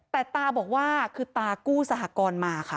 แต่ตาบอกว่าคือตากู้สหกรณ์มาค่ะ